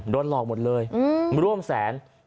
ร่วมรอหมดเลยร่วมแสน